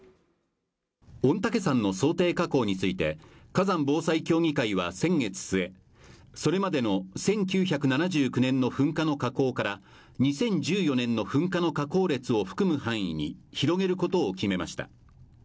御嶽山の想定火口について火山防災協議会は先月末それまでの１９７９年の噴火の火口から２０１４年の噴火の火口列を含む範囲に広げることを決めました